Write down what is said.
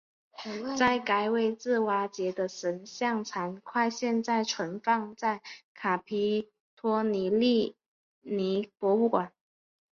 在该位置挖掘的神像残块现在存放在卡皮托利尼博物馆。